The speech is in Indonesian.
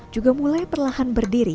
juga mulai perlahan berdiri